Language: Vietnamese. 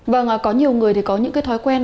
vâng có nhiều người thì có những cái thói quen